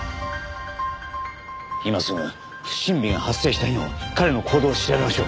今すぐ不審火が発生した日の彼の行動を調べましょう。